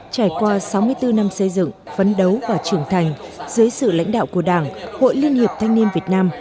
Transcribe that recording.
trải qua sáu mươi bốn năm xây dựng phấn đấu và trưởng thành dưới sự lãnh đạo của đảng hội liên hiệp thanh niên việt nam